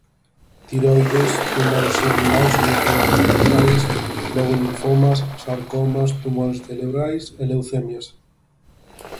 Tiroides, tumores xerminais, sobre todo testiculares, logo linfomas, sarcomas, tumores cerebrais e leucemias.